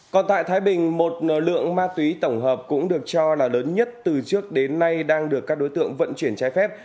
còn tại thái bình một lượng ma túy tổng hợp cũng được cho là lớn nhất từ trước đến nay đang được các đối tượng vận chuyển trái phép